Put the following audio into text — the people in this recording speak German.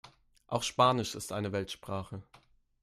Auch Spanisch ist eine Weltsprache.